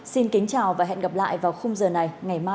xin kính chào và hẹn gặp lại vào khung giờ này ngày mai